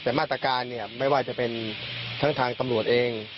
แต่มาตรการเนี่ยไม่ว่าจะเป็นทั้งทางตำรวจเอง